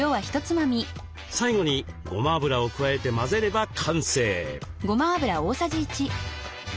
最後にごま油を加えて混ぜれば完成。